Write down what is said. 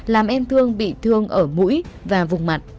làm em thương bị thương ở mũi và vùng mặt